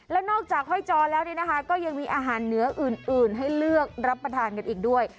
แล้วนอกจากห้อยจอแล้วเนี่ยนะคะก็ยังมีอาหารเหนืออื่นให้เลือกรับประทานกันอีกด้วย